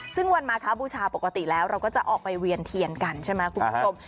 ซึ่งวันมาท้าบูชาปกติแล้วเราก็จะออกไปเวียนเทียนกันใช่ไหมคุณผู้ชม